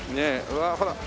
うわあほら